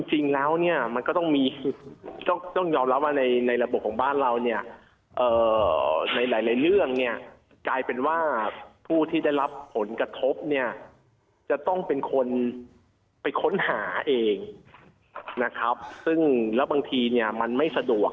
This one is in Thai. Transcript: จริงแล้วเนี่ยมันก็ต้องมีต้องยอมรับว่าในระบบของบ้านเราเนี่ยในหลายเรื่องเนี่ยกลายเป็นว่าผู้ที่ได้รับผลกระทบเนี่ยจะต้องเป็นคนไปค้นหาเองนะครับซึ่งแล้วบางทีเนี่ยมันไม่สะดวก